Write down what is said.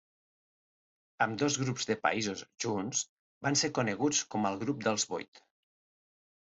Ambdós grups de països junts van ser coneguts com el Grup dels Vuit.